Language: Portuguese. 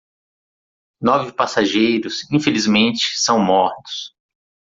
Nove passageiros infelizmente são mortos